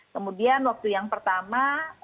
kemudian waktu yang pertama